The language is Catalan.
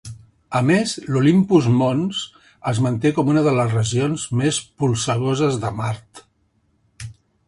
A més, l'Olympus Mons es manté com una de les regions més polsegoses de Mart.